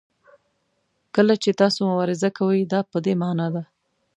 کله چې تاسو مبارزه کوئ دا په دې معنا ده.